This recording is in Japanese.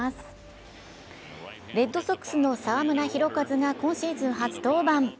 レッドソックスの澤村拓一が今シーズン初登板。